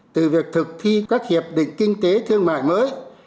từ việc thực thi các hiệp định kinh tế thương mại mới